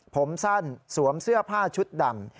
ผมสั้นสวมเสื้อผ้าชุดดำ